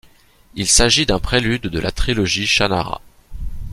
Il s'agit d'un prélude de la trilogie Shannara.